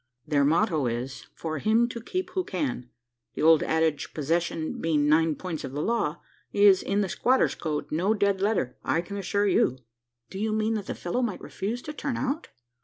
"Their motto is, for `him to keep who can.' The old adage, `possession being nine points of the law,' is, in the squatter's code, no dead letter, I can assure you." "Do you mean, that the fellow might refuse to turn out?"